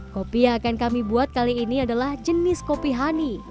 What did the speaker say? kopi yang akan kami buat kali ini adalah jenis kopi honey